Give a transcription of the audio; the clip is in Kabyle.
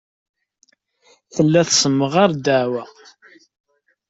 Tella tessemɣar ddeɛwa.